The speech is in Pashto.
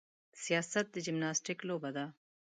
سیاست د جمناستیک لوبه ده.